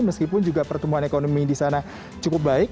meskipun juga pertumbuhan ekonomi di sana cukup baik